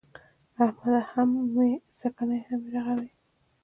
احمده! هم يې سڼکې او هم يې رغوې.